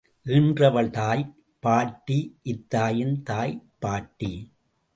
ஈன்றவள் தாய் பாட்டி இத் தாயியின் தாய் பூட்டி.